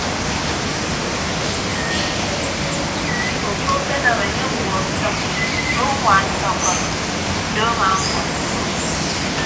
Obo akekan enye ọwuọ ke idʌñ owoñwaan inọkon do amawuọ.